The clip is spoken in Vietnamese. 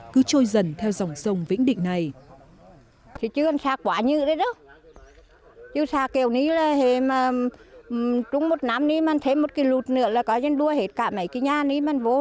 cứ trôi dần theo dòng sông vĩnh định này